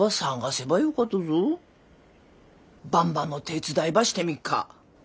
ばんばの手伝いばしてみっか？